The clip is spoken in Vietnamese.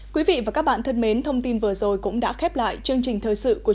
quý vị và các bạn thân mến thông tin vừa rồi cũng đã khép lại chương trình thời sự của